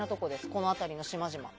この辺りの島々。